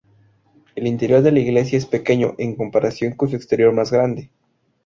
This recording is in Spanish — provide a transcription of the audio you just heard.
El interior de la iglesia es pequeño en comparación con su exterior más grande.